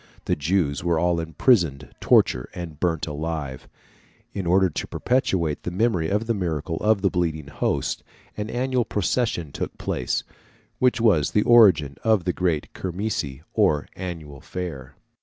The Jews were all imprisoned, tortured, and burnt alive (Fig. 362). In order to perpetuate the memory of the miracle of the bleeding hosts, an annual procession took place, which was the origin of the great kermesse, or annual fair.